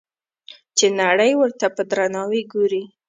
چې نړۍ ورته په درناوي ګوري.